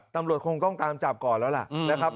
ตำรวจคงต้องตามจับก่อนแล้วล่ะนะครับ